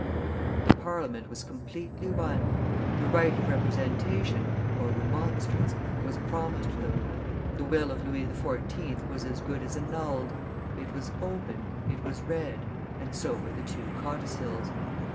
The Parliament was completely won; the right of representation (or remonstrance) was promised them; the will of Louis XIV. was as good as annulled; it was opened, it was read, and so were the two codicils.